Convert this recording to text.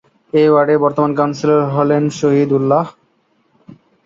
এ ওয়ার্ডের বর্তমান কাউন্সিলর হলেন শহীদ উল্লাহ।